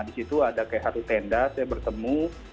disitu ada kayak satu tenda saya bertemu